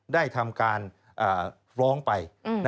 ได้ทำการฟ้องไป